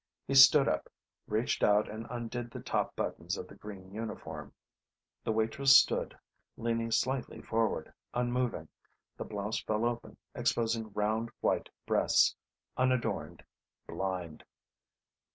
He stood up, reached out and undid the top buttons of the green uniform. The waitress stood, leaning slightly forward, unmoving. The blouse fell open, exposing round white breasts unadorned, blind.